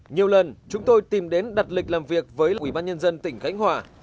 nhiều lần chúng tôi tìm đến đặt lịch làm việc với ủy ban nhân dân tỉnh khánh hòa